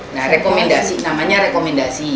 nah rekomendasi namanya rekomendasi